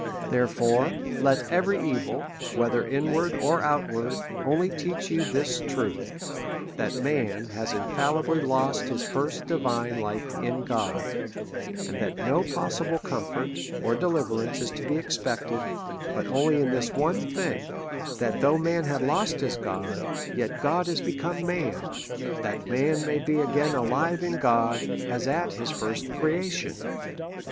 Therefore, let every evil, whether inward or outward, only teach you this truth— that man has infallibly lost his first divine life in God ; and that no possible com fort, or deliverance, is to be expected, but only in this one thing — that though man had lost his God, yet God is become man, that man may be again alive in God, as at his first creation.